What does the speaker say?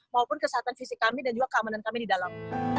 maupun kesehatan fisik kami dan juga keamanan kami di dalam